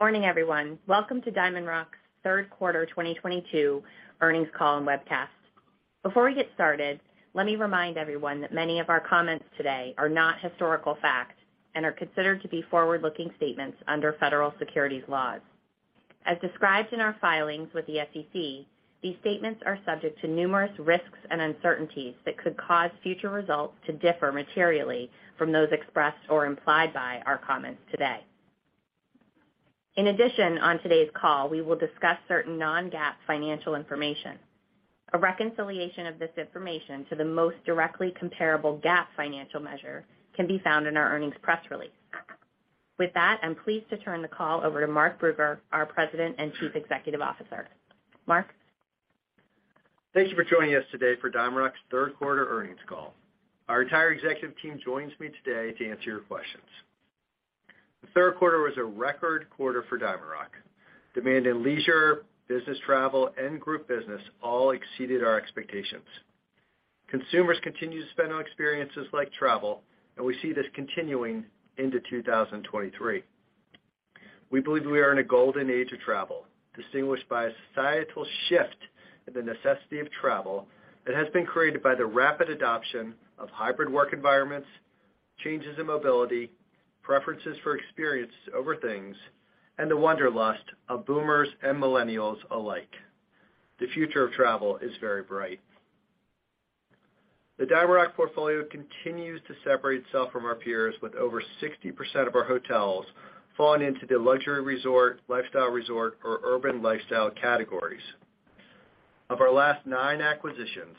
Morning, everyone. Welcome to DiamondRock's third quarter 2022 earnings call and webcast. Before we get started, let me remind everyone that many of our comments today are not historical facts and are considered to be forward-looking statements under federal securities laws. As described in our filings with the SEC, these statements are subject to numerous risks and uncertainties that could cause future results to differ materially from those expressed or implied by our comments today. In addition, on today's call, we will discuss certain non-GAAP financial information. A reconciliation of this information to the most directly comparable GAAP financial measure can be found in our earnings press release. With that, I'm pleased to turn the call over to Mark Brugger, our President and Chief Executive Officer. Mark. Thank you for joining us today for DiamondRock's third quarter earnings call. Our entire executive team joins me today to answer your questions. The third quarter was a record quarter for DiamondRock. Demand in leisure, business travel, and group business all exceeded our expectations. Consumers continue to spend on experiences like travel, and we see this continuing into 2023. We believe we are in a golden age of travel, distinguished by a societal shift in the necessity of travel that has been created by the rapid adoption of hybrid work environments, changes in mobility, preferences for experiences over things, and the wanderlust of boomers and millennials alike. The future of travel is very bright. The DiamondRock portfolio continues to separate itself from our peers with over 60% of our hotels falling into the luxury resort, lifestyle resort, or urban lifestyle categories. Of our last nine acquisitions,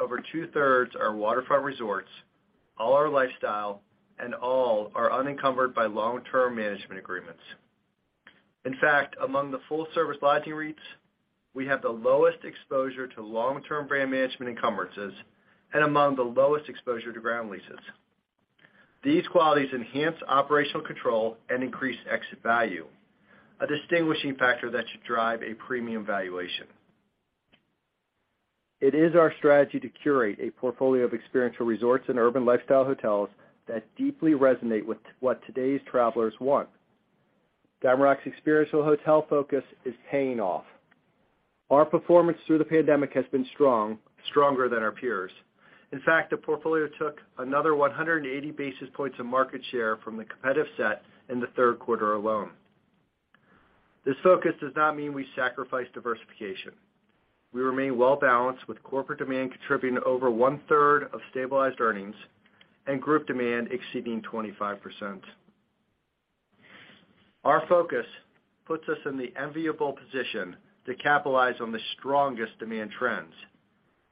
over two-thirds are waterfront resorts, all are lifestyle, and all are unencumbered by long-term management agreements. In fact, among the full-service lodging REITs, we have the lowest exposure to long-term brand management encumbrances and among the lowest exposure to ground leases. These qualities enhance operational control and increase exit value, a distinguishing factor that should drive a premium valuation. It is our strategy to curate a portfolio of experiential resorts and urban lifestyle hotels that deeply resonate with what today's travelers want. DiamondRock's experiential hotel focus is paying off. Our performance through the pandemic has been strong, stronger than our peers. In fact, the portfolio took another 180 basis points of market share from the competitive set in the third quarter alone. This focus does not mean we sacrifice diversification. We remain well-balanced with corporate demand contributing to over 1/3 of stabilized earnings and group demand exceeding 25%. Our focus puts us in the enviable position to capitalize on the strongest demand trends,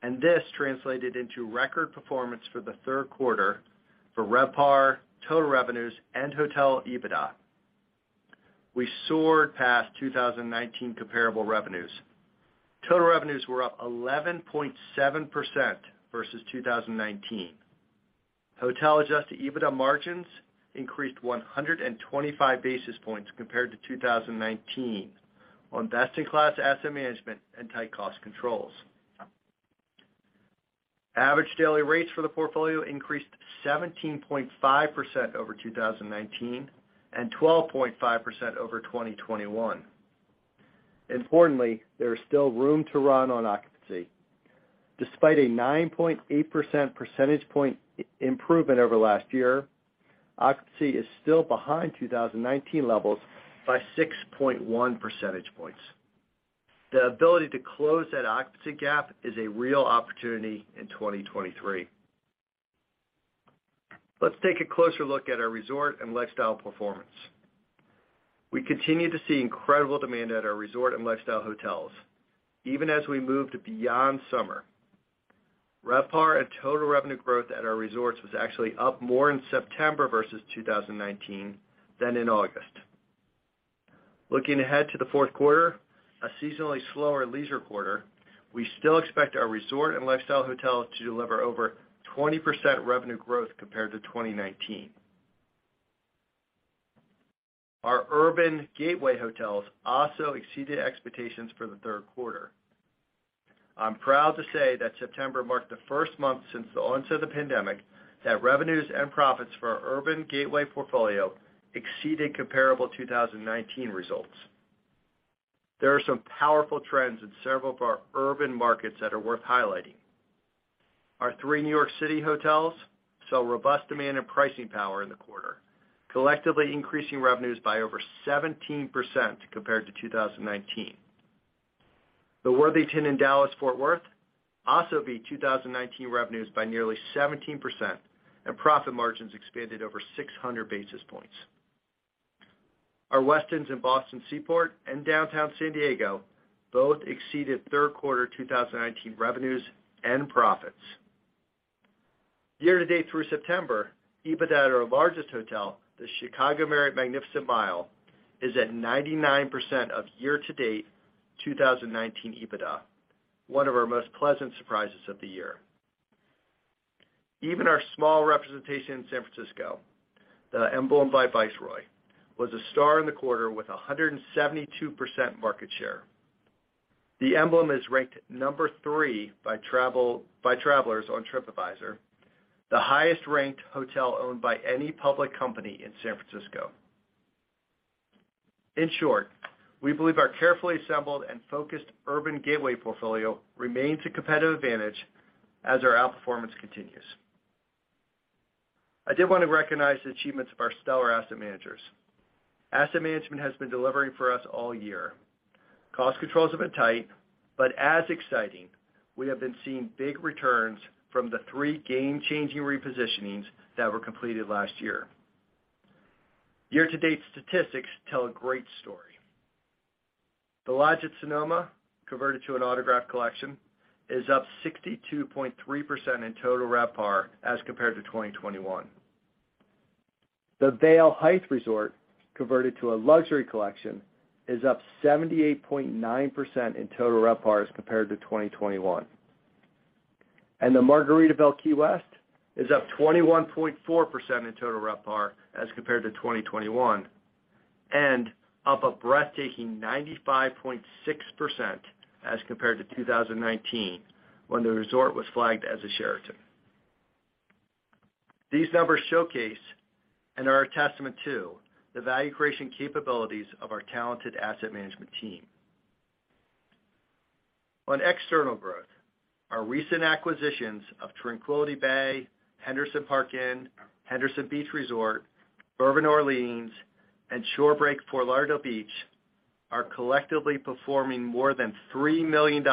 and this translated into record performance for the third quarter for RevPAR, total revenues, and Hotel EBITDA. We soared past 2019 comparable revenues. Total revenues were up 11.7% versus 2019. Hotel Adjusted EBITDA margins increased 125 basis points compared to 2019 on best-in-class asset management and tight cost controls. Average daily rates for the portfolio increased 17.5% over 2019 and 12.5% over 2021. Importantly, there is still room to run on occupancy. Despite a 9.8 percentage point improvement over last year, occupancy is still behind 2019 levels by 6.1 percentage points. The ability to close that occupancy gap is a real opportunity in 2023. Let's take a closer look at our resort and lifestyle performance. We continue to see incredible demand at our resort and lifestyle hotels even as we moved beyond summer. RevPAR and total revenue growth at our resorts was actually up more in September versus 2019 than in August. Looking ahead to the fourth quarter, a seasonally slower leisure quarter, we still expect our resort and lifestyle hotels to deliver over 20% revenue growth compared to 2019. Our urban gateway hotels also exceeded expectations for the third quarter. I'm proud to say that September marked the first month since the onset of the pandemic that revenues and profits for our urban gateway portfolio exceeded comparable 2019 results. There are some powerful trends in several of our urban markets that are worth highlighting. Our three New York City hotels saw robust demand and pricing power in the quarter, collectively increasing revenues by over 17% compared to 2019. The Worthington in Dallas Fort Worth also beat 2019 revenues by nearly 17%, and profit margins expanded over 600 basis points. Our Westins in Boston Seaport and downtown San Diego both exceeded third quarter 2019 revenues and profits. Year to date through September, EBITDA at our largest hotel, the Chicago Marriott Magnificent Mile, is at 99% of year to date 2019 EBITDA, one of our most pleasant surprises of the year. Even our small representation in San Francisco, the Emblem by Viceroy, was a star in the quarter with a 172% market share. The Emblem is ranked number three by travelers on Tripadvisor, the highest ranked hotel owned by any public company in San Francisco. In short, we believe our carefully assembled and focused urban gateway portfolio remains a competitive advantage as our outperformance continues. I did wanna recognize the achievements of our stellar asset managers. Asset management has been delivering for us all year. Cost controls have been tight, but as exciting, we have been seeing big returns from the three game-changing repositionings that were completed last year. Year-to-date statistics tell a great story. The Lodge at Sonoma, converted to an Autograph Collection, is up 62.3% in total RevPAR as compared to 2021. The Hythe, a Luxury Collection Resort, Vail, converted to The Luxury Collection, is up 78.9% in total RevPAR as compared to 2021. The Margaritaville Key West is up 21.4% in total RevPAR as compared to 2021, and up a breathtaking 95.6% as compared to 2019, when the resort was flagged as a Sheraton. These numbers showcase, and are a testament to, the value creation capabilities of our talented asset management team. On external growth, our recent acquisitions of Tranquility Bay, Henderson Park Inn, Henderson Beach Resort, Bourbon Orleans, and Shorebreak Fort Lauderdale Beach are collectively performing more than $3 million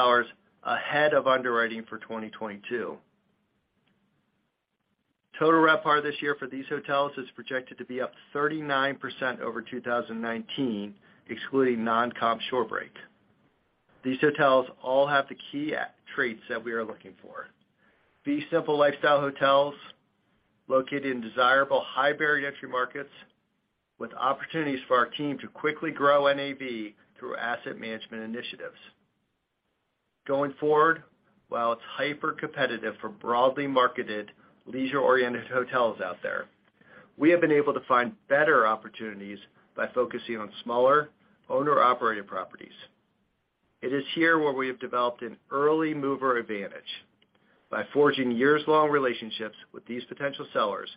ahead of underwriting for 2022. Total RevPAR this year for these hotels is projected to be up 39% over 2019, excluding non-comp Shorebreak. These hotels all have the key attributes that we are looking for. These simple lifestyle hotels, located in desirable high barrier entry markets with opportunities for our team to quickly grow NAV through asset management initiatives. Going forward, while it's hypercompetitive for broadly marketed leisure-oriented hotels out there, we have been able to find better opportunities by focusing on smaller owner-operated properties. It is here where we have developed an early mover advantage by forging years-long relationships with these potential sellers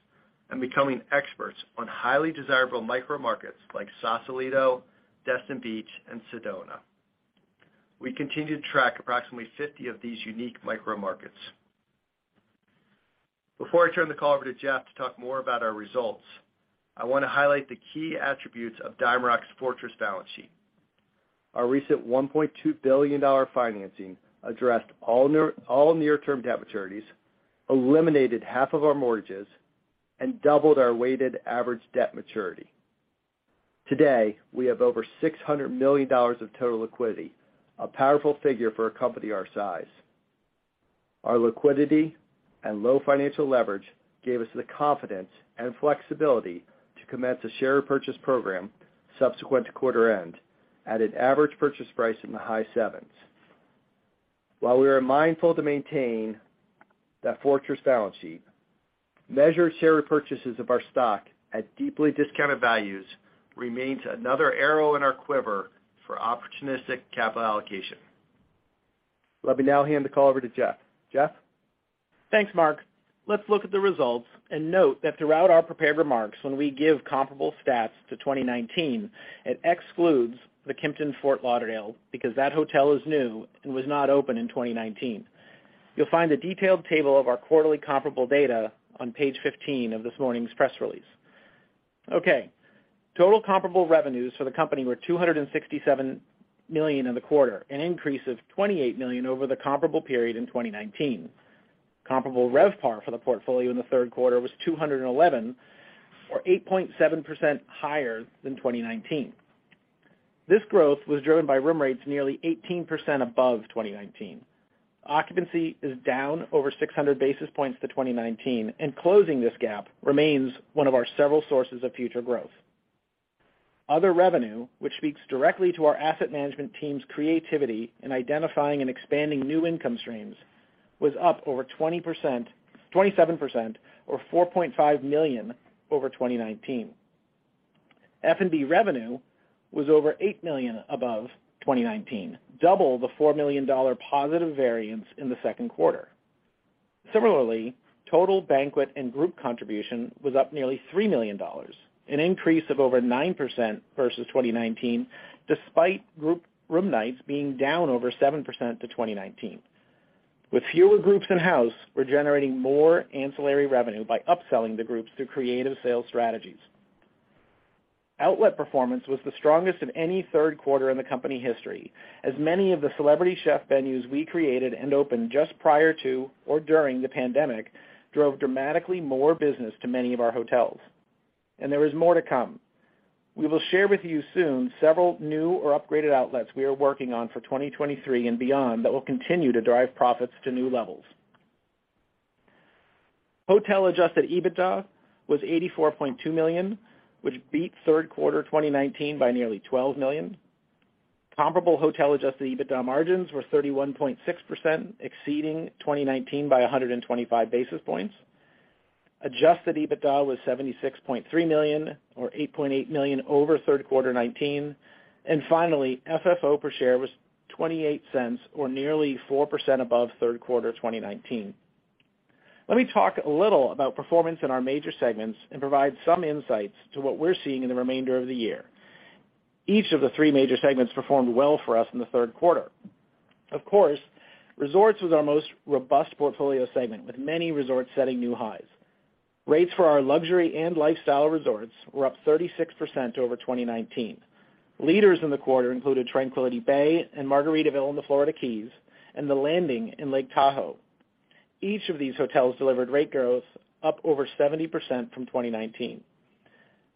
and becoming experts on highly desirable micro markets like Sausalito, Destin Beach, and Sedona. We continue to track approximately 50 of these unique micro markets. Before I turn the call over to Jeff to talk more about our results, I wanna highlight the key attributes of DiamondRock's fortress balance sheet. Our recent $1.2 billion financing addressed all near-term debt maturities, eliminated half of our mortgages, and doubled our weighted average debt maturity. Today, we have over $600 million of total liquidity, a powerful figure for a company our size. Our liquidity and low financial leverage gave us the confidence and flexibility to commence a share purchase program subsequent to quarter end at an average purchase price in the high sevens. While we are mindful to maintain that fortress balance sheet, measured share repurchases of our stock at deeply discounted values remains another arrow in our quiver for opportunistic capital allocation. Let me now hand the call over to Jeff. Jeff? Thanks, Mark. Let's look at the results, and note that throughout our prepared remarks, when we give comparable stats to 2019, it excludes the Kimpton Fort Lauderdale because that hotel is new and was not open in 2019. You'll find the detailed table of our quarterly comparable data on page 15 of this morning's press release. Okay, total comparable revenues for the company were $267 million in the quarter, an increase of $28 million over the comparable period in 2019. Comparable RevPAR for the portfolio in the third quarter was 211, or 8.7% higher than 2019. This growth was driven by room rates nearly 18% above 2019. Occupancy is down over 600 basis points to 2019, and closing this gap remains one of our several sources of future growth. Other revenue, which speaks directly to our asset management team's creativity in identifying and expanding new income streams, was up over 20%, 27%, or $4.5 million over 2019. F&B revenue was over $8 million above 2019, double the $4 million positive variance in the second quarter. Similarly, total banquet and group contribution was up nearly $3 million, an increase of over 9% versus 2019, despite group room nights being down over 7% to 2019. With fewer groups in-house, we're generating more ancillary revenue by upselling the groups through creative sales strategies. Outlet performance was the strongest in any third quarter in the company history, as many of the celebrity chef venues we created and opened just prior to or during the pandemic drove dramatically more business to many of our hotels, and there is more to come. We will share with you soon several new or upgraded outlets we are working on for 2023 and beyond that will continue to drive profits to new levels. Hotel Adjusted EBITDA was $84.2 million, which beat third quarter 2019 by nearly $12 million. Comparable hotel Adjusted EBITDA margins were 31.6%, exceeding 2019 by 125 basis points. Adjusted EBITDA was $76.3 million, or $8.8 million over third quarter 2019. Finally, FFO per share was $0.28, or nearly 4% above third quarter 2019. Let me talk a little about performance in our major segments and provide some insights to what we're seeing in the remainder of the year. Each of the three major segments performed well for us in the third quarter. Of course, resorts was our most robust portfolio segment, with many resorts setting new highs. Rates for our luxury and lifestyle resorts were up 36% over 2019. Leaders in the quarter included Tranquility Bay and Margaritaville in the Florida Keys and the Landing in Lake Tahoe. Each of these hotels delivered rate growth up over 70% from 2019.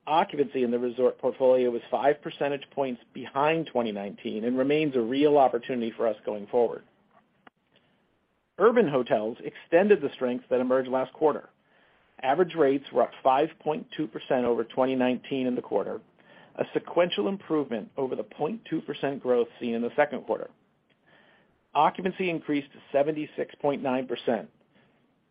Occupancy in the resort portfolio was 5 percentage points behind 2019 and remains a real opportunity for us going forward. Urban Hotels extended the strength that emerged last quarter. Average rates were up 5.2% over 2019 in the quarter, a sequential improvement over the 0.2% growth seen in the second quarter. Occupancy increased to 76.9%.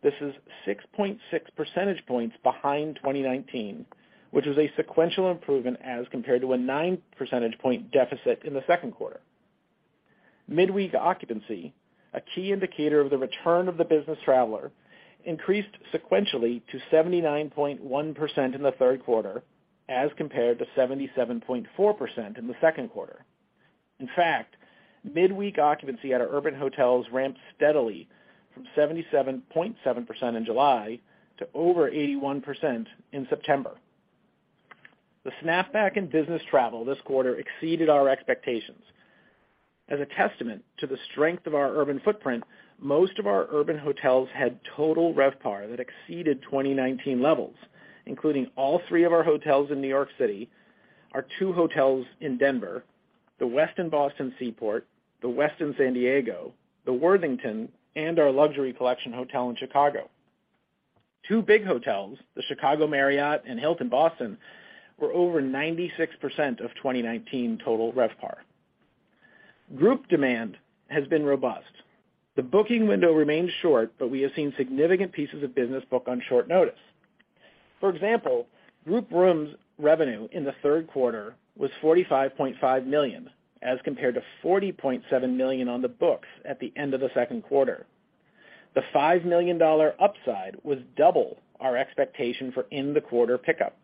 This is 6.6 percentage points behind 2019, which is a sequential improvement as compared to a 9 percentage point deficit in the second quarter. Midweek occupancy, a key indicator of the return of the business traveler, increased sequentially to 79.1% in the third quarter as compared to 77.4% in the second quarter. In fact, midweek occupancy at our urban hotels ramped steadily from 77.7% in July to over 81% in September. The snapback in business travel this quarter exceeded our expectations. As a testament to the strength of our urban footprint, most of our urban hotels had total RevPAR that exceeded 2019 levels, including all three of our hotels in New York City, our two hotels in Denver, The Westin Boston Seaport, The Westin San Diego, The Worthington, and our Luxury Collection hotel in Chicago. Two big hotels, the Chicago Marriott and Hilton Boston, were over 96% of 2019 total RevPAR. Group demand has been robust. The booking window remains short, but we have seen significant pieces of business book on short notice. For example, group rooms revenue in the third quarter was $45.5 million, as compared to $40.7 million on the books at the end of the second quarter. The $5 million upside was double our expectation for in the quarter pickup.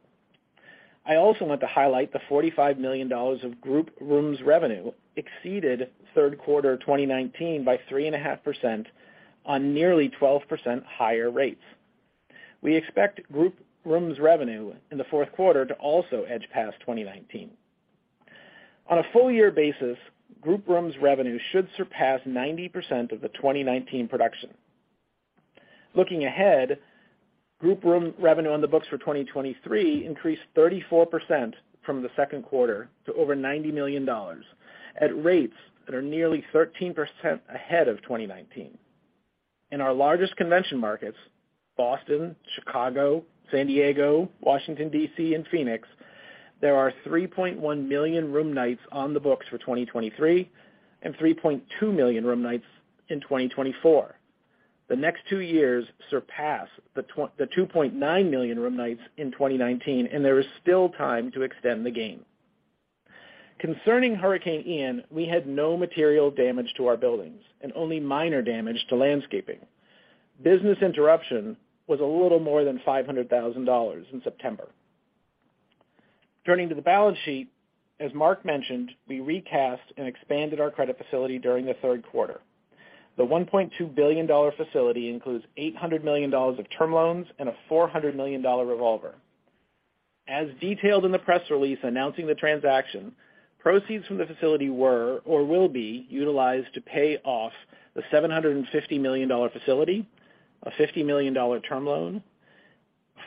I also want to highlight the $45 million of group rooms revenue exceeded third quarter 2019 by 3.5% on nearly 12% higher rates. We expect group rooms revenue in the fourth quarter to also edge past 2019. On a full-year basis, group rooms revenue should surpass 90% of the 2019 production. Looking ahead, group room revenue on the books for 2023 increased 34% from the second quarter to over $90 million, at rates that are nearly 13% ahead of 2019. In our largest convention markets, Boston, Chicago, San Diego, Washington, D.C., and Phoenix, there are 3.1 million room nights on the books for 2023 and 3.2 million room nights in 2024. The next two years surpass the 2.9 million room nights in 2019, and there is still time to extend the gain. Concerning Hurricane Ian, we had no material damage to our buildings and only minor damage to landscaping. Business interruption was a little more than $500,000 in September. Turning to the balance sheet, as Mark mentioned, we recast and expanded our credit facility during the third quarter. The $1.2 billion facility includes $800 million of term loans and a $400 million revolver. As detailed in the press release announcing the transaction, proceeds from the facility were or will be utilized to pay off the $750 million facility, a $50 million term loan,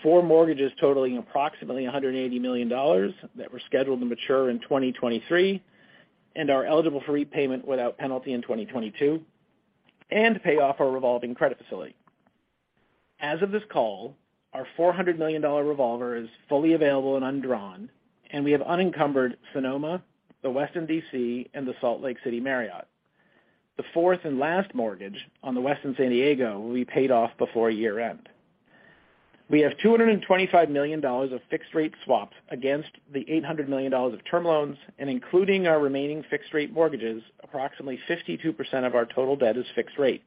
four mortgages totaling approximately $180 million that were scheduled to mature in 2023 and are eligible for repayment without penalty in 2022, and to pay off our revolving credit facility. As of this call, our $400 million revolver is fully available and undrawn, and we have unencumbered Sonoma, The Westin DC, and the Salt Lake City Marriott. The fourth and last mortgage on The Westin San Diego will be paid off before year-end. We have $225 million of fixed rate swaps against the $800 million of term loans. Including our remaining fixed rate mortgages, approximately 52% of our total debt is fixed rate.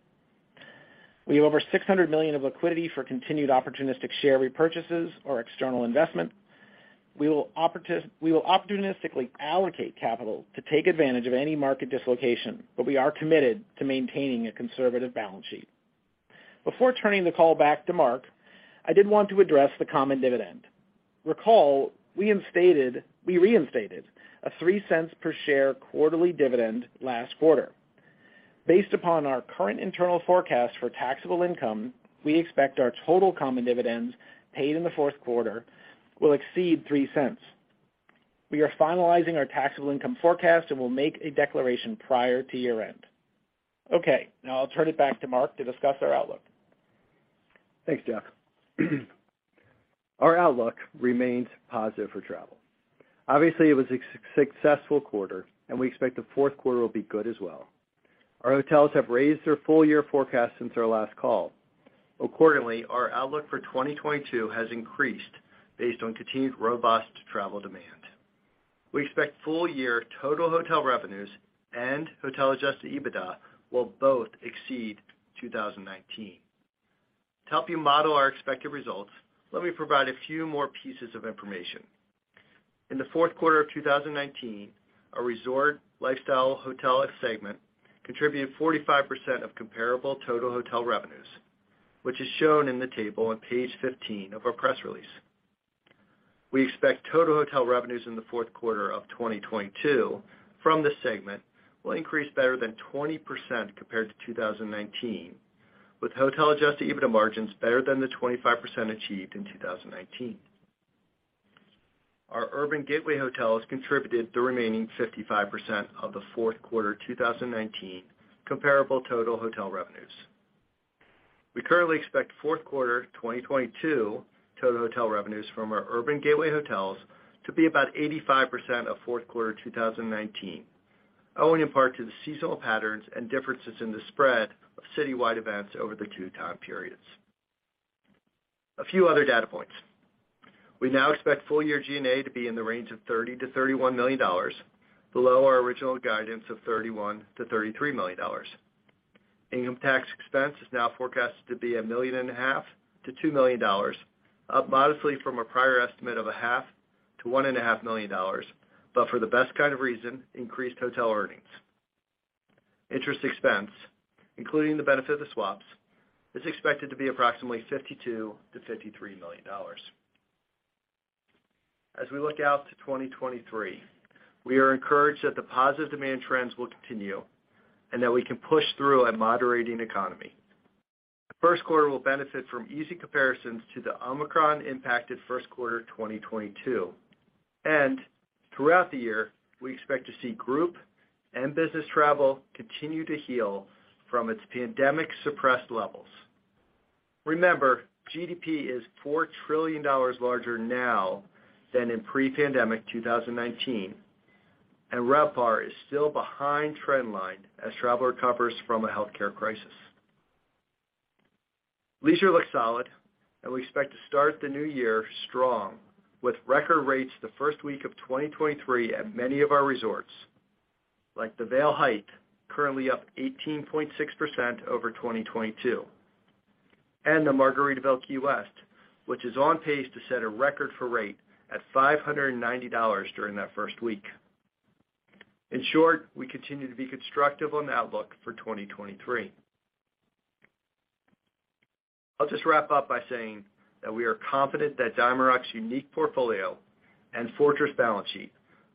We have over $600 million of liquidity for continued opportunistic share repurchases or external investment. We will opportunistically allocate capital to take advantage of any market dislocation, but we are committed to maintaining a conservative balance sheet. Before turning the call back to Mark, I did want to address the common dividend. Recall, we reinstated a $0.03 per share quarterly dividend last quarter. Based upon our current internal forecast for taxable income, we expect our total common dividends paid in the fourth quarter will exceed $0.03. We are finalizing our taxable income forecast and will make a declaration prior to year-end. Okay, now I'll turn it back to Mark to discuss our outlook. Thanks, Jeff. Our outlook remains positive for travel. Obviously, it was a successful quarter, and we expect the fourth quarter will be good as well. Our hotels have raised their full year forecast since our last call. Accordingly, our outlook for 2022 has increased based on continued robust travel demand. We expect full year total hotel revenues and Hotel Adjusted EBITDA will both exceed 2019. To help you model our expected results, let me provide a few more pieces of information. In the fourth quarter of 2019, our resort lifestyle hotel segment contributed 45% of comparable total hotel revenues, which is shown in the table on page 15 of our press release. We expect total hotel revenues in the fourth quarter of 2022 from this segment will increase better than 20% compared to 2019, with hotel adjusted EBITDA margins better than the 25% achieved in 2019. Our urban gateway hotels contributed the remaining 55% of the fourth quarter 2019 comparable total hotel revenues. We currently expect fourth quarter 2022 total hotel revenues from our urban gateway hotels to be about 85% of fourth quarter 2019, owing in part to the seasonal patterns and differences in the spread of citywide events over the two time periods. A few other data points. We now expect full year G&A to be in the range of $30 million-$31 million, below our original guidance of $31-$33 million. Income tax expense is now forecasted to be $1.5 million-$2 million, up modestly from a prior estimate of $0.5 million-$1.5 million, but for the best kind of reason, increased hotel earnings. Interest expense, including the benefit of the swaps, is expected to be approximately $52 million-$53 million. As we look out to 2023, we are encouraged that the positive demand trends will continue and that we can push through a moderating economy. The first quarter will benefit from easy comparisons to the Omicron impacted first quarter 2022. Throughout the year, we expect to see group and business travel continue to heal from its pandemic suppressed levels. Remember, GDP is $4 trillion larger now than in pre-pandemic 2019, and RevPAR is still behind trend line as travel recovers from a healthcare crisis. Leisure looks solid, and we expect to start the new year strong with record rates the first week of 2023 at many of our resorts, like the Hythe, Vail, currently up 18.6% over 2022, and the Margaritaville Key West, which is on pace to set a record for rate at $590 during that first week. In short, we continue to be constructive on the outlook for 2023. I'll just wrap up by saying that we are confident that DiamondRock's unique portfolio and fortress balance sheet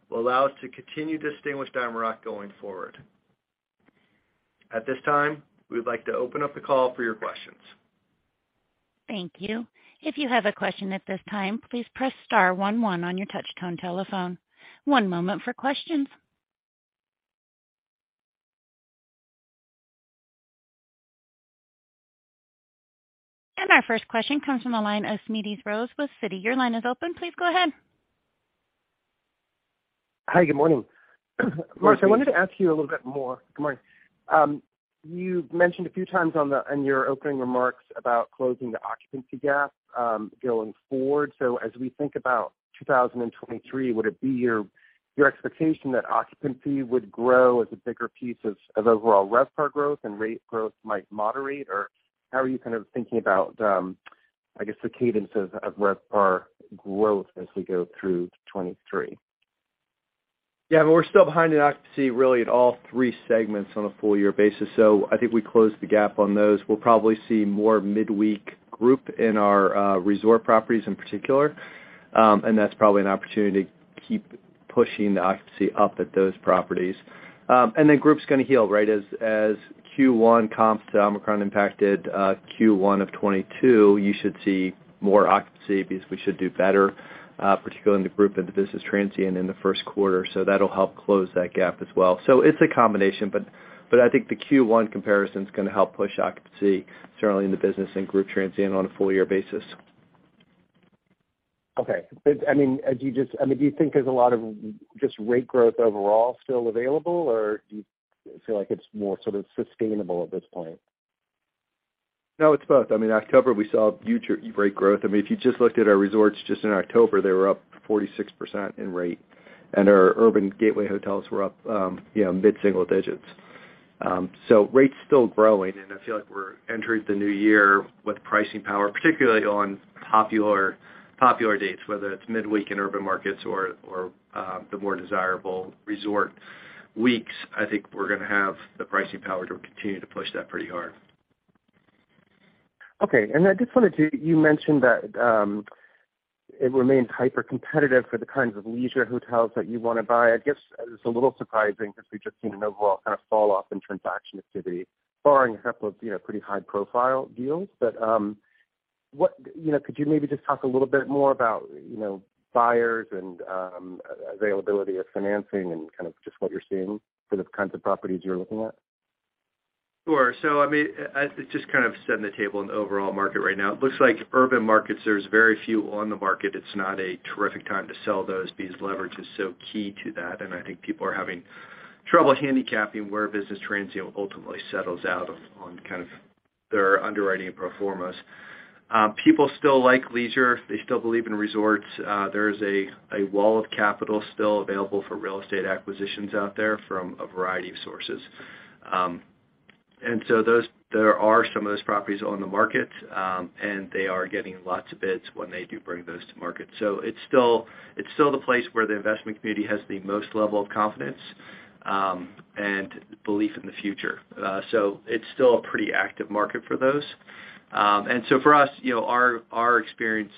will allow us to continue to distinguish DiamondRock going forward. At this time, we would like to open up the call for your questions. Thank you. If you have a question at this time, please press star one one on your touchtone telephone. One moment for questions. Our first question comes from the line of Smedes Rose with Citi. Your line is open. Please go ahead. Hi, good morning. Mark, I wanted to ask you a little bit more. Good morning. You mentioned a few times on your opening remarks about closing the occupancy gap, going forward. As we think about 2023, would it be your expectation that occupancy would grow as a bigger piece of overall RevPAR growth and rate growth might moderate? Or how are you kind of thinking about, I guess, the cadence of RevPAR growth as we go through 2023? Yeah, we're still behind in occupancy really in all three segments on a full year basis. I think we closed the gap on those. We'll probably see more midweek group in our resort properties in particular, and that's probably an opportunity to keep pushing the occupancy up at those properties. Group's gonna heal, right? As Q1 comps the Omicron impacted Q1 of 2022, you should see more occupancy because we should do better, particularly in the group and the business transient in the first quarter. That'll help close that gap as well. It's a combination, but I think the Q1 comparison is gonna help push occupancy, certainly in the business and group transient on a full year basis. Okay. I mean, do you think there's a lot of just rate growth overall still available, or do you feel like it's more sort of sustainable at this point? No, it's both. I mean, October, we saw huge rate growth. I mean, if you just looked at our resorts just in October, they were up 46% in rate, and our urban gateway hotels were up mid-single digits. So rate's still growing, and I feel like we're entering the new year with pricing power, particularly on popular dates, whether it's midweek in urban markets or the more desirable resort weeks. I think we're gonna have the pricing power to continue to push that pretty hard. You mentioned that it remained hypercompetitive for the kinds of leisure hotels that you wanna buy. I guess it's a little surprising because we've just seen an overall kind of fall off in transaction activity, barring a couple of, you know, pretty high-profile deals. You know, could you maybe just talk a little bit more about, you know, buyers and availability of financing and kind of just what you're seeing for the kinds of properties you're looking at? Sure. I mean, just kind of setting the table in the overall market right now. It looks like urban markets, there's very few on the market. It's not a terrific time to sell those because leverage is so key to that, and I think people are having trouble handicapping where business trends ultimately settles out of on kind of their underwriting and pro formas. People still like leisure. They still believe in resorts. There is a wall of capital still available for real estate acquisitions out there from a variety of sources. Those. There are some of those properties on the market, and they are getting lots of bids when they do bring those to market. It's still the place where the investment community has the highest level of confidence and belief in the future. It's still a pretty active market for those. For us, you know, our experience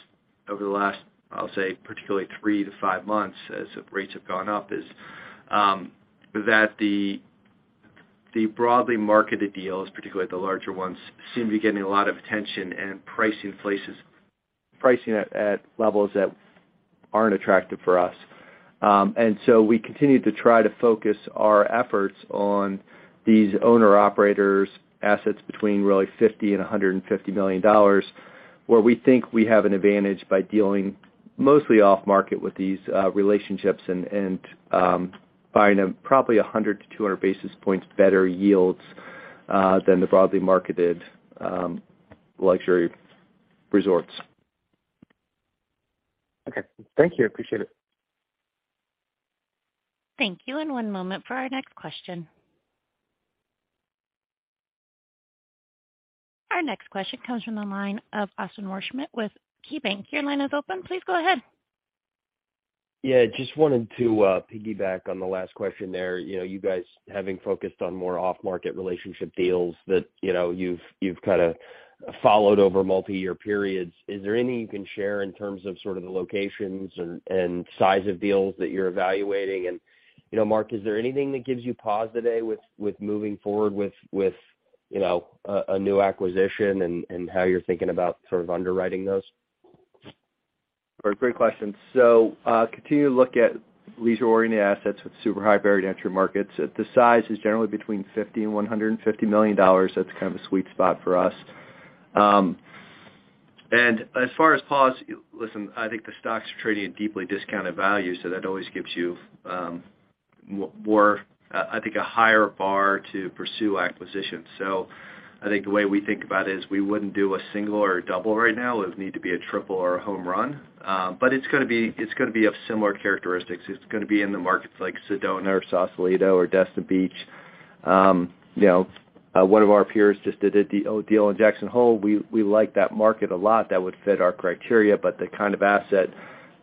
over the last, I'll say, particularly three to five months as rates have gone up is that the broadly marketed deals, particularly the larger ones, seem to be getting a lot of attention and pricing at levels that aren't attractive for us. We continue to try to focus our efforts on these owner operators assets between really $50 million and $150 million, where we think we have an advantage by dealing mostly off market with these relationships and buying them probably 100basis points-200 basis points better yields than the broadly marketed luxury resorts. Okay. Thank you. Appreciate it. Thank you. One moment for our next question. Our next question comes from the line of Austin Wurschmidt with KeyBanc Capital Markets. Your line is open. Please go ahead. Yeah, just wanted to piggyback on the last question there. You know, you guys having focused on more off-market relationship deals that, you know, you've kinda followed over multiyear periods, is there any you can share in terms of sort of the locations and size of deals that you're evaluating? And, you know, Mark, is there anything that gives you pause today with moving forward with a new acquisition and how you're thinking about sort of underwriting those? Great question. Continue to look at leisure-oriented assets with super high barrier to entry markets. The size is generally between $50 million and $150 million. That's kind of a sweet spot for us. As far as valuation, I think the stocks are trading at deeply discounted value, so that always gives you more, I think, a higher bar to pursue acquisitions. I think the way we think about it is we wouldn't do a single or a double right now. It would need to be a triple or a home run, but it's gonna be of similar characteristics. It's gonna be in the markets like Sedona or Sausalito or Destin Beach. You know, one of our peers just did a deal in Jackson Hole. We like that market a lot. That would fit our criteria. The kind of asset,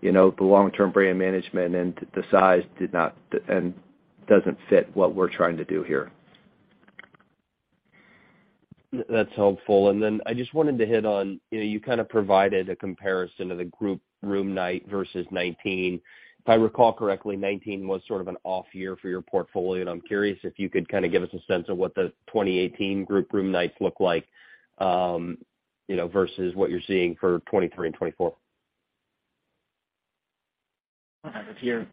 you know, the long-term brand management and the size doesn't fit what we're trying to do here. That's helpful. I just wanted to hit on, you know, you kind of provided a comparison of the group room night versus 2019. If I recall correctly, 2019 was sort of an off year for your portfolio, and I'm curious if you could kind of give us a sense of what the 2018 group room nights look like, you know, versus what you're seeing for 2023 and 2024. I don't have it here.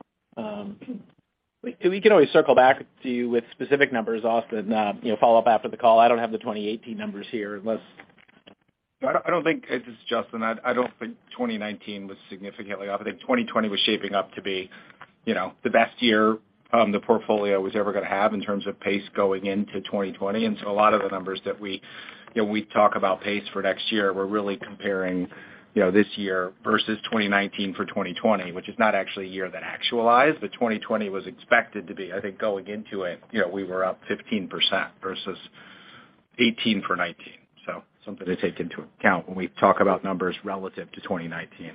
We can always circle back to you with specific numbers, Austin, you know, follow up after the call. I don't have the 2018 numbers here unless. This is Justin. I don't think 2019 was significantly off. I think 2020 was shaping up to be, you know, the best year the portfolio was ever gonna have in terms of pace going into 2020. A lot of the numbers that we, you know, we talk about pace for next year, we're really comparing, you know, this year versus 2019 for 2020, which is not actually a year that actualized, but 2020 was expected to be. I think going into it, you know, we were up 15% versus 18% for 2019. Something to take into account when we talk about numbers relative to 2019.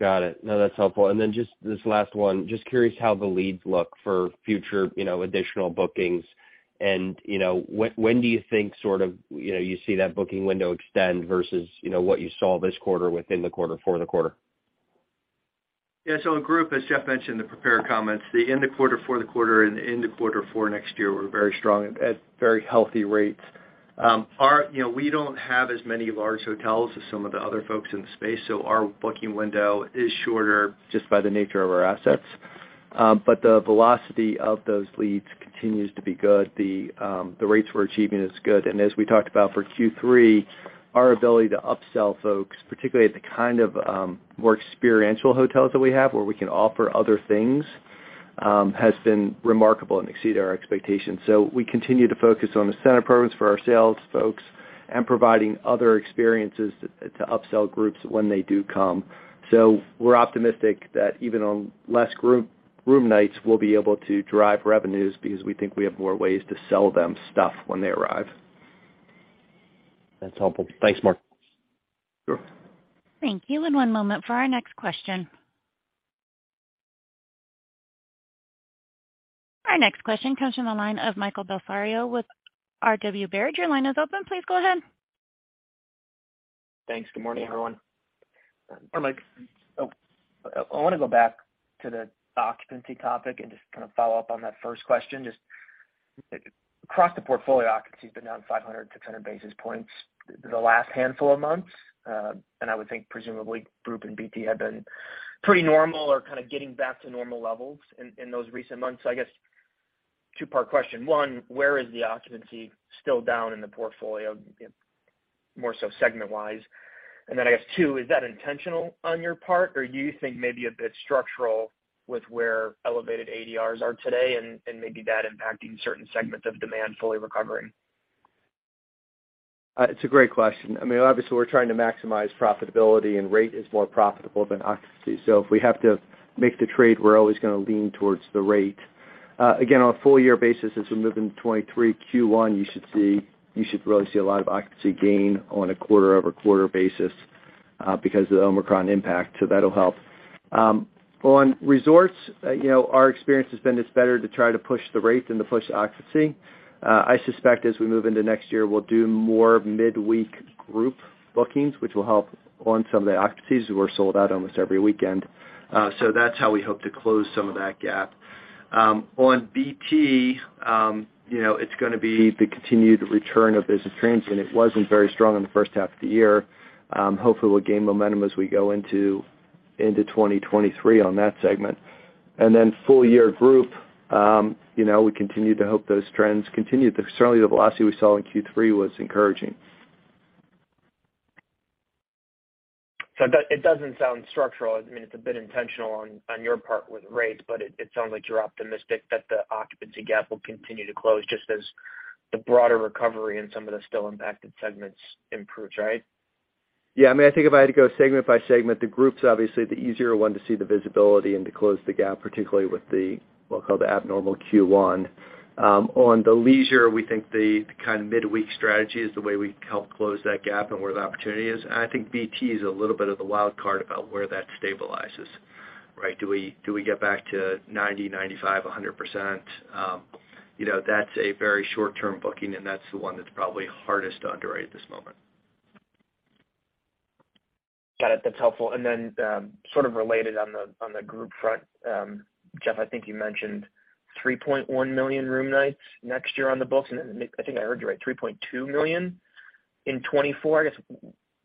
Got it. No, that's helpful. Just this last one, just curious how the leads look for future, you know, additional bookings. You know, when do you think sort of, you know, you see that booking window extend versus, you know, what you saw this quarter within the quarter for the quarter? The group, as Jeff mentioned in the prepared comments, the end of quarter for the quarter and end of quarter for next year were very strong at very healthy rates. You know, we don't have as many large hotels as some of the other folks in the space, so our booking window is shorter just by the nature of our assets. But the velocity of those leads continues to be good. The rates we're achieving is good. As we talked about for Q3, our ability to upsell folks, particularly at the kind of more experiential hotels that we have where we can offer other things, has been remarkable and exceeded our expectations. We continue to focus on the center programs for our sales folks and providing other experiences to upsell groups when they do come. We're optimistic that even on less group room nights, we'll be able to drive revenues because we think we have more ways to sell them stuff when they arrive. That's helpful. Thanks, Mark. Sure. Thank you. One moment for our next question. Our next question comes from the line of Michael Bellisario with RW Baird. Your line is open. Please go ahead. Thanks. Good morning, everyone. Hi, Mike. Oh, I wanna go back to the occupancy topic and just kind of follow up on that first question. Just across the portfolio, occupancy's been down 500 basis points, 600 basis points the last handful of months. I would think presumably group and BT have been pretty normal or kind of getting back to normal levels in those recent months. Two-part question. One, where is the occupancy still down in the portfolio, more so segment-wise? And then I guess two, is that intentional on your part or do you think maybe a bit structural with where elevated ADRs are today and maybe that impacting certain segments of demand fully recovering? It's a great question. I mean, obviously we're trying to maximize profitability and rate is more profitable than occupancy. If we have to make the trade, we're always gonna lean towards the rate. Again, on a full year basis, as we move into 2023 Q1, you should really see a lot of occupancy gain on a quarter-over-quarter basis, because of the Omicron impact, so that'll help. On resorts, you know, our experience has been it's better to try to push the rate than to push occupancy. I suspect as we move into next year, we'll do more midweek group bookings, which will help on some of the occupancies. We're sold out almost every weekend. That's how we hope to close some of that gap. On BT, you know, it's gonna be the continued return of business trends, and it wasn't very strong in the first half of the year. Hopefully we'll gain momentum as we go into 2023 on that segment. Then full year group, you know, we continue to hope those trends continue. Certainly, the velocity we saw in Q3 was encouraging. It doesn't sound structural. I mean, it's a bit intentional on your part with rates, but it sounds like you're optimistic that the occupancy gap will continue to close just as the broader recovery in some of the still impacted segments improves, right? Yeah. I mean, I think if I had to go segment by segment, the group's obviously the easier one to see the visibility and to close the gap, particularly with the, we'll call the abnormal Q1. On the leisure, we think the kind of midweek strategy is the way we help close that gap and where the opportunity is. I think BT is a little bit of the wild card about where that stabilizes, right? Do we get back to 90, 95, 100%? You know, that's a very short-term booking, and that's the one that's probably hardest to underwrite at this moment. Got it. That's helpful. Sort of related on the group front, Jeff, I think you mentioned 3.1 million room nights next year on the books, and then I think I heard you right, 3.2 million in 2024. I guess,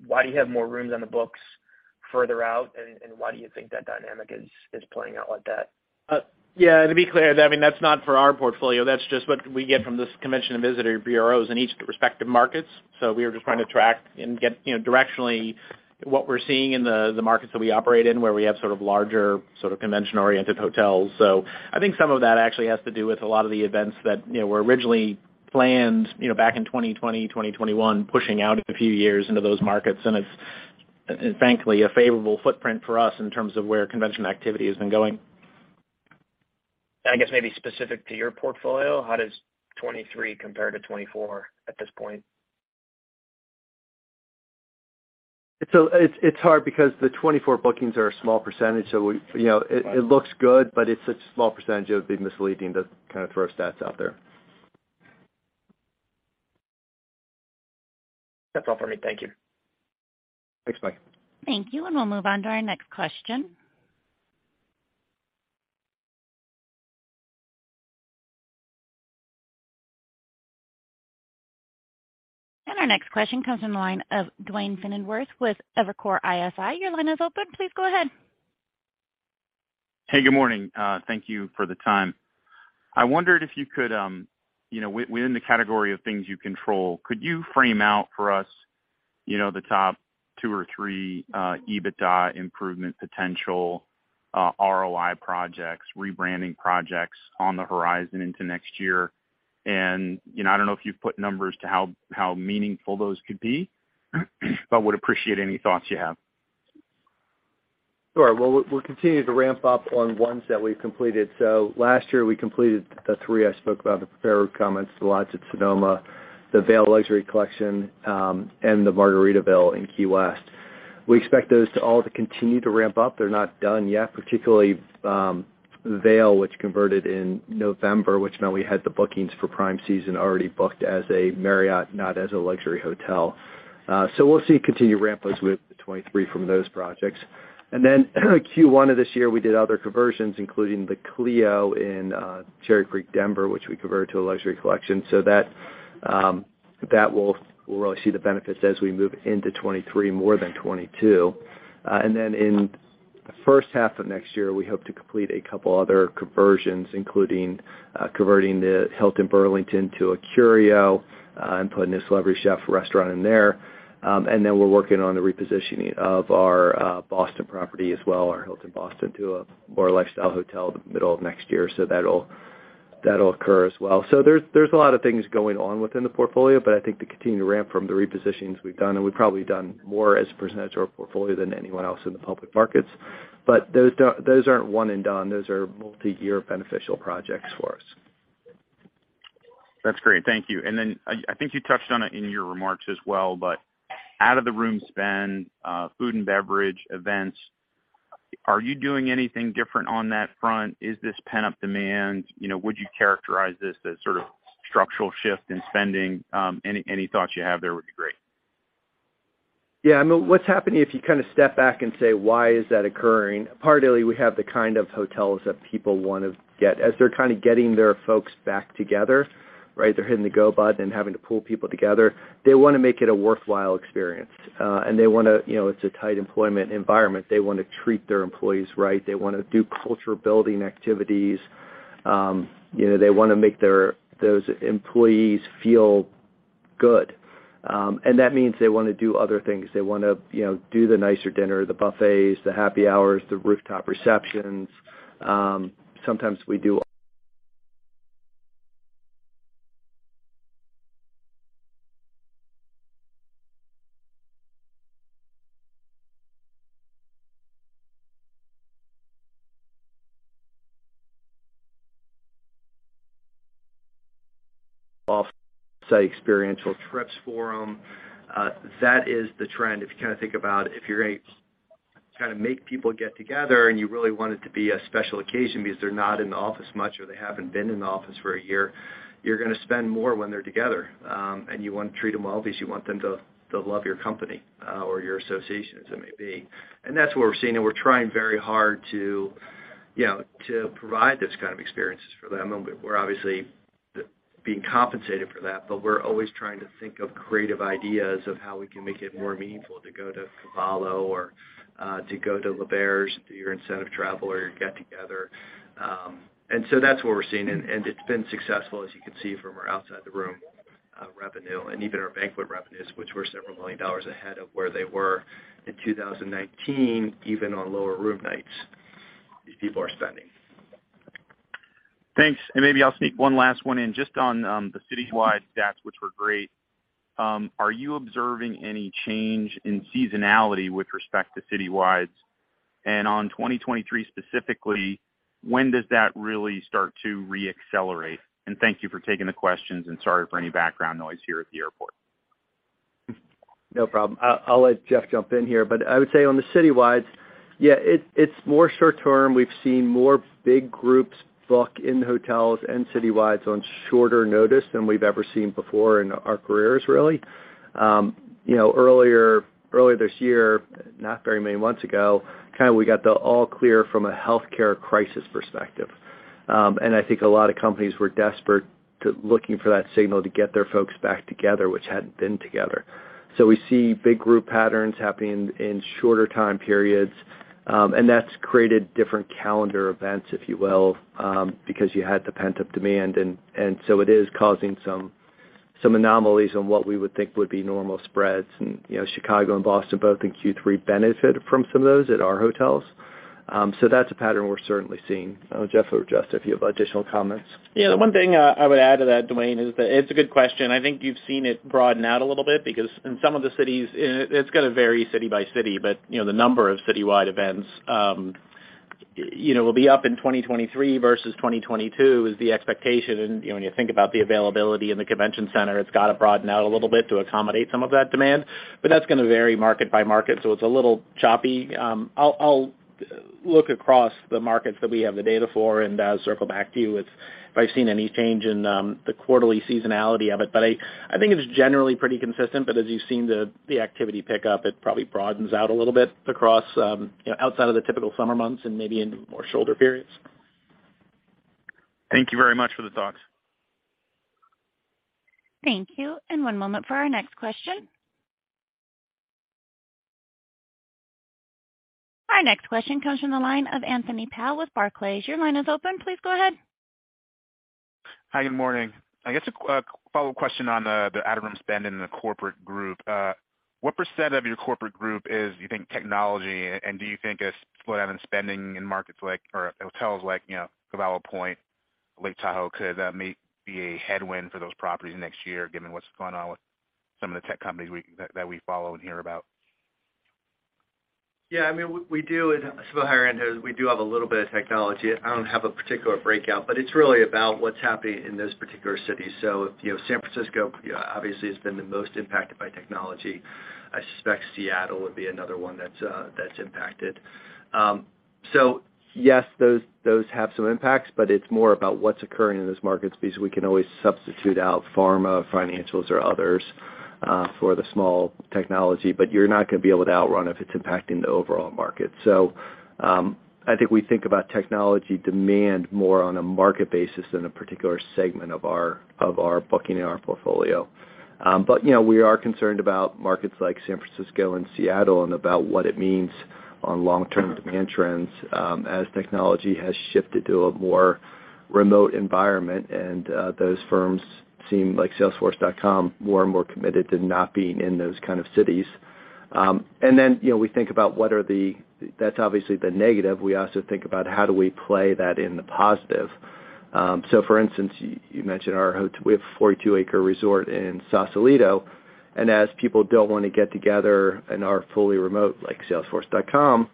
why do you have more rooms on the books further out, and why do you think that dynamic is playing out like that? Yeah, to be clear, I mean, that's not for our portfolio. That's just what we get from this convention and visitor bureaus in each respective markets. We are just trying to track and get, you know, directionally what we're seeing in the markets that we operate in, where we have sort of larger sort of convention-oriented hotels. I think some of that actually has to do with a lot of the events that, you know, were originally planned, you know, back in 2020, 2021, pushing out a few years into those markets. It's, frankly, a favorable footprint for us in terms of where convention activity has been going. I guess maybe specific to your portfolio, how does 2023 compare to 2024 at this point? It's hard because the 24 bookings are a small percentage, so we, you know, it looks good, but it's such a small percentage, it would be misleading to kind of throw stats out there. That's all for me. Thank you. Thanks, Mike. Thank you. We'll move on to our next question. Our next question comes from the line of Duane Pfennigwerth with Evercore ISI. Your line is open. Please go ahead. Hey, good morning. Thank you for the time. I wondered if you could, within the category of things you control, could you frame out for us, the top two or three, EBITDA improvement potential, ROI projects, rebranding projects on the horizon into next year? I don't know if you've put numbers to how meaningful those could be, but would appreciate any thoughts you have. Sure. Well, we'll continue to ramp up on ones that we've completed. Last year, we completed the three I spoke about, the prepared comments, The Lodge at Sonoma, the Vail Luxury Collection, and the Margaritaville in Key West. We expect those to all continue to ramp up. They're not done yet, particularly Vail, which converted in November, which now we had the bookings for prime season already booked as a Marriott, not as a luxury hotel. We'll see continued ramping with 2023 from those projects. Then Q1 of this year, we did other conversions, including the Clayton in Cherry Creek, Denver, which we converted to a Luxury Collection. That we'll really see the benefits as we move into 2023 more than 2022. In the first half of next year, we hope to complete a couple other conversions, including converting the Hilton Burlington to a Curio and putting a celebrity chef restaurant in there. We're working on the repositioning of our Boston property as well, our Hilton Boston, to a more lifestyle hotel the middle of next year. That'll occur as well. There's a lot of things going on within the portfolio, but I think to continue to ramp from the repositionings we've done, and we've probably done more as a percentage of our portfolio than anyone else in the public markets. Those aren't one and done. Those are multiyear beneficial projects for us. That's great. Thank you. I think you touched on it in your remarks as well, but out of the room spend, food and beverage, events, are you doing anything different on that front? Is this pent-up demand? You know, would you characterize this as sort of structural shift in spending? Any thoughts you have there would be great. Yeah. I mean, what's happening if you kind of step back and say, why is that occurring? Partly, we have the kind of hotels that people wanna get. As they're kind of getting their folks back together, right? They're hitting the go button and having to pull people together. They wanna make it a worthwhile experience, and they wanna. You know, it's a tight employment environment. They wanna treat their employees right. They wanna do culture-building activities. You know, they wanna make those employees feel good. That means they wanna do other things. They wanna, you know, do the nicer dinner, the buffets, the happy hours, the rooftop receptions. Sometimes we do off-site experiential trips for 'em. That is the trend. If you kinda think about if you're gonna kind of make people get together and you really want it to be a special occasion because they're not in the office much or they haven't been in the office for a year, you're gonna spend more when they're together, and you want to treat them well because you want them to love your company, or your association, as it may be. That's what we're seeing, and we're trying very hard to provide those kind of experiences for them. We're obviously being compensated for that, but we're always trying to think of creative ideas of how we can make it more meaningful to go to Cavallo Point or to go to L'Auberge de Sedona for your incentive travel or your get-together. That's what we're seeing, and it's been successful, as you can see from our outside the room revenue and even our banquet revenues, which were $several million ahead of where they were in 2019, even on lower room nights. These people are spending. Thanks. Maybe I'll sneak one last one in just on the citywide stats, which were great. Are you observing any change in seasonality with respect to citywides? On 2023 specifically, when does that really start to re-accelerate? Thank you for taking the questions, and sorry for any background noise here at the airport. No problem. I'll let Jeff jump in here. I would say on the citywides, yeah, it's more short term. We've seen more big groups book in hotels and citywides on shorter notice than we've ever seen before in our careers, really. You know, earlier this year, not very many months ago, kind of we got the all clear from a healthcare crisis perspective. I think a lot of companies were desperate looking for that signal to get their folks back together, which hadn't been together. We see big group patterns happening in shorter time periods, and that's created different calendar events, if you will, because you had the pent-up demand. It is causing some anomalies on what we would think would be normal spreads. You know, Chicago and Boston both in Q3 benefited from some of those at our hotels. That's a pattern we're certainly seeing. I don't know, Jeff or Justin, if you have additional comments? Yeah. The one thing I would add to that, Duane, is that it's a good question. I think you've seen it broaden out a little bit because in some of the cities, it's gonna vary city by city, but you know, the number of citywide events, you know, will be up in 2023 versus 2022 is the expectation. You know, when you think about the availability in the convention center, it's gotta broaden out a little bit to accommodate some of that demand. That's gonna vary market by market, so it's a little choppy. I'll look across the markets that we have the data for and circle back to you with if I've seen any change in the quarterly seasonality of it. I think it's generally pretty consistent. As you've seen, the activity pick up. It probably broadens out a little bit across, you know, outside of the typical summer months and maybe into more shoulder periods. Thank you very much for the thoughts. Thank you. One moment for our next question. Our next question comes from the line of Anthony Powell with Barclays. Your line is open. Please go ahead. Hi. Good morning. I guess a follow-up question on the out-of-room spend in the corporate group. What percent of your corporate group is, you think, technology? And do you think the flow of spending in markets like, or hotels like, you know, Cavallo Point, Lake Tahoe, could that be a headwind for those properties next year given what's going on with some of the tech companies that we follow and hear about? Yeah. I mean, we do in some of the higher end hotels, we do have a little bit of technology. I don't have a particular breakout, but it's really about what's happening in those particular cities. You know, San Francisco obviously has been the most impacted by technology. I suspect Seattle would be another one that's impacted. Yes, those have some impacts, but it's more about what's occurring in those markets because we can always substitute out pharma, financials, or others for the small technology. You're not gonna be able to outrun if it's impacting the overall market. I think we think about technology demand more on a market basis than a particular segment of our booking in our portfolio. you know, we are concerned about markets like San Francisco and Seattle and about what it means on long-term demand trends, as technology has shifted to a more remote environment, and those firms seem, like Salesforce.com, more and more committed to not being in those kind of cities. you know, that's obviously the negative. We also think about how do we play that in the positive. for instance, you mentioned we have a 42-acre resort in Sausalito, and as people don't wanna get together and are fully remote, like Salesforce.com,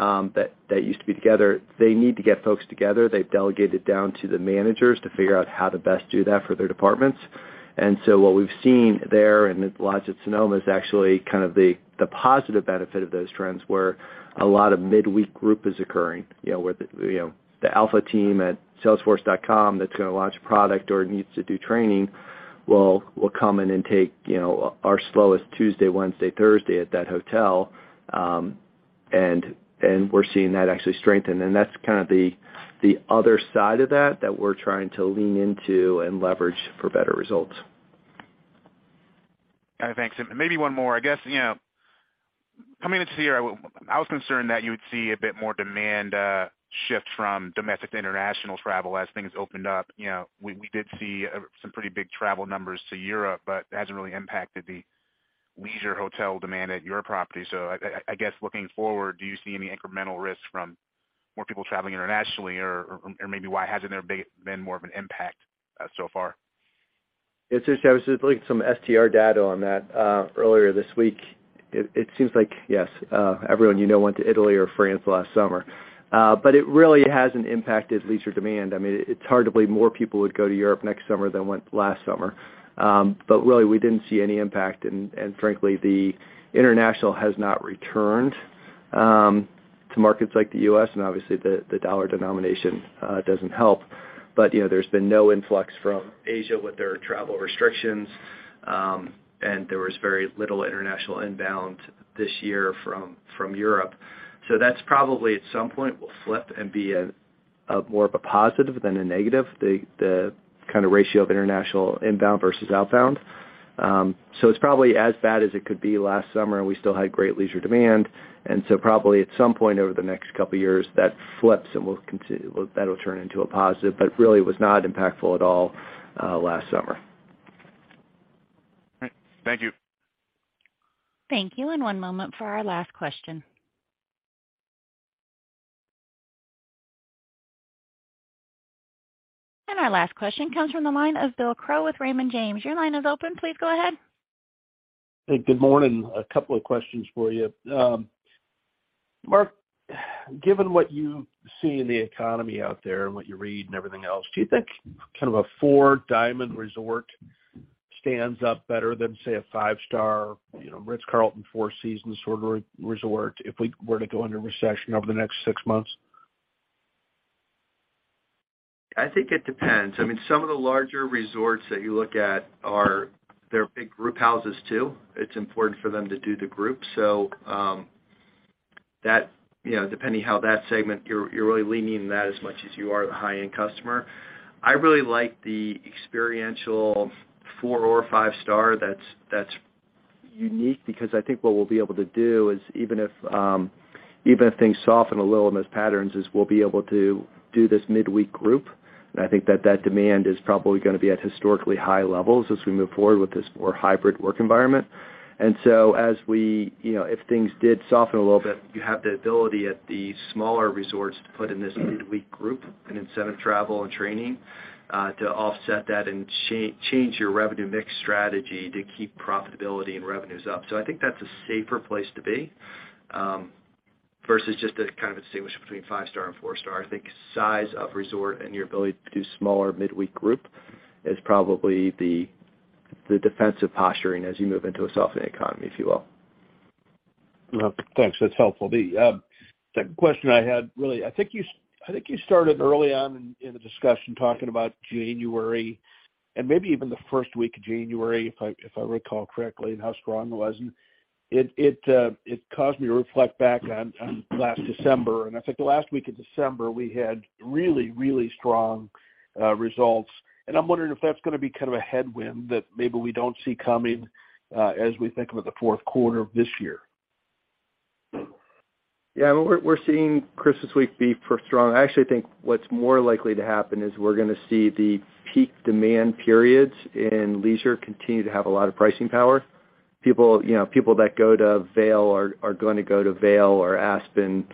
that used to be together, they need to get folks together. They've delegated down to the managers to figure out how to best do that for their departments. What we've seen there in The Lodge at Sonoma is actually kind of the positive benefit of those trends, where a lot of midweek group is occurring, you know, where you know, the alpha team at Salesforce.com that's gonna launch a product or needs to do training will come in and take, you know, our slowest Tuesday, Wednesday, Thursday at that hotel, and we're seeing that actually strengthen. That's kind of the other side of that that we're trying to lean into and leverage for better results. All right. Thanks. Maybe one more. I guess, you know, coming into the year, I was concerned that you would see a bit more demand shift from domestic to international travel as things opened up. You know, we did see some pretty big travel numbers to Europe, but it hasn't really impacted the leisure hotel demand at your property. I guess, looking forward, do you see any incremental risk from more people traveling internationally or maybe why hasn't there been more of an impact so far? It's interesting. I was just looking at some STR data on that, earlier this week. It seems like, yes, everyone you know went to Italy or France last summer. It really hasn't impacted leisure demand. I mean, it's hard to believe more people would go to Europe next summer than went last summer. Really, we didn't see any impact. Frankly, the international has not returned to markets like the U.S., and obviously the dollar denomination doesn't help. You know, there's been no influx from Asia with their travel restrictions, and there was very little international inbound this year from Europe. That's probably, at some point, will flip and be a more of a positive than a negative, the kind of ratio of international inbound versus outbound. It's probably as bad as it could be last summer, and we still had great leisure demand. Probably at some point over the next couple years, that flips, and that'll turn into a positive. Really it was not impactful at all last summer. All right. Thank you. Thank you. One moment for our last question. Our last question comes from the line of Bill Crow with Raymond James. Your line is open. Please go ahead. Hey, good morning. A couple of questions for you. Mark, given what you see in the economy out there and what you read and everything else, do you think kind of a four diamond resort stands up better than, say, a five-star, you know, Ritz-Carlton, Four Seasons sort of resort if we were to go into recession over the next six months? I think it depends. I mean, some of the larger resorts that you look at are. They're big group houses, too. It's important for them to do the groups. You know, depending how that segment you're really leaning on that as much as you are the high-end customer. I really like the experiential four or five star that's unique because I think what we'll be able to do is even if things soften a little in those patterns, we'll be able to do this midweek group. I think that demand is probably gonna be at historically high levels as we move forward with this more hybrid work environment. You know, if things did soften a little bit, you have the ability at the smaller resorts to put in this midweek group, an incentive travel and training, to offset that and change your revenue mix strategy to keep profitability and revenues up. I think that's a safer place to be, versus just to kind of distinguish between five-star and four-star. I think size of resort and your ability to do smaller midweek group is probably the defensive posturing as you move into a softening economy, if you will. Well, thanks. That's helpful. The second question I had, really, I think you started early on in the discussion talking about January, and maybe even the first week of January, if I recall correctly, and how strong it was. It caused me to reflect back on last December, and I think the last week of December, we had really strong results. I'm wondering if that's gonna be kind of a headwind that maybe we don't see coming as we think about the fourth quarter of this year. Yeah. We're seeing Christmas week be pretty strong. I actually think what's more likely to happen is we're gonna see the peak demand periods in leisure continue to have a lot of pricing power. People, you know, people that go to Vail are gonna go to Vail or Aspen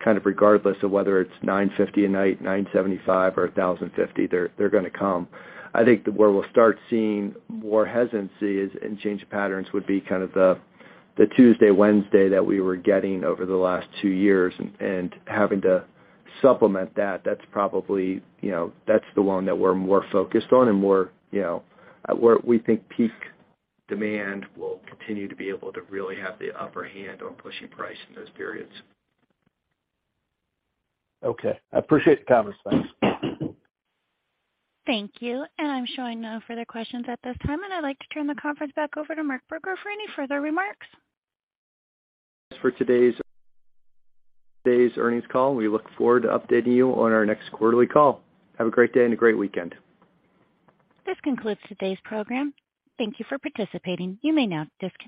kind of regardless of whether it's $950 a night, $975 or $1,050, they're gonna come. I think that where we'll start seeing more hesitancy is and change of patterns would be kind of the Tuesday, Wednesday that we were getting over the last two years and having to supplement that. That's probably, you know, that's the one that we're more focused on and more, you know, where we think peak demand will continue to be able to really have the upper hand on pushing price in those periods. Okay. I appreciate the comments. Thanks. Thank you. I'm showing no further questions at this time, and I'd like to turn the conference back over to Mark Brugger for any further remarks. For today's earnings call. We look forward to updating you on our next quarterly call. Have a great day and a great weekend. This concludes today's program. Thank you for participating. You may now disconnect.